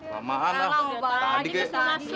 lama lama tadi kek